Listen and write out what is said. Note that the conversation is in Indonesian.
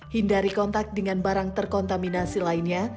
hindari kontak dengan barang terkontaminasi lainnya